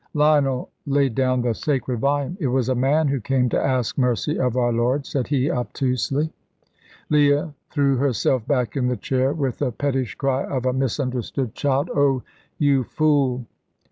Lionel laid down the sacred volume. "It was a man who came to ask mercy of our Lord," said he, obtusely. Leah threw herself back in the chair with the pettish cry of a misunderstood child. "Oh, you fool!"